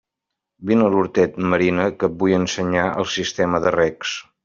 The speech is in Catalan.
Vine a l'hortet, Marina, que et vull ensenyar el sistema de recs.